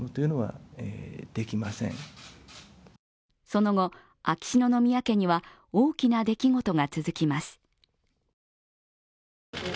その後、秋篠宮家には大きな出来事が続きます。